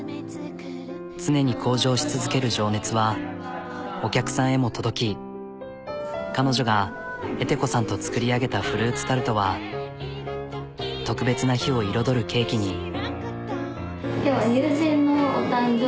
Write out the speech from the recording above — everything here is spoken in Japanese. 常に向上し続ける情熱はお客さんへも届き彼女がエテ子さんと作り上げたフルーツタルトは特別な日を彩るケーキに。